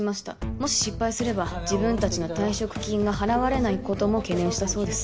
もし失敗すれば自分達の退職金が払われないことも懸念したそうです